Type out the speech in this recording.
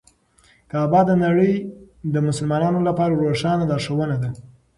کعبه د نړۍ د مسلمانانو لپاره روښانه لارښوونه ده.